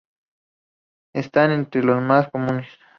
Están entre los más comunes.